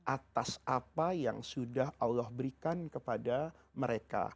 atas apa yang sudah allah berikan kepada mereka